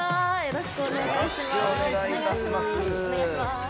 ◆よろしくお願いします。